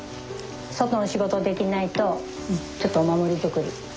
外の仕事できないとちょっとお守り作り。